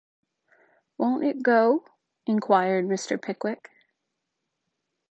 ‘Won’t it go?’ inquired Mr. Pickwick.